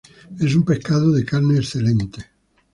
Es un pescado de carne excelente.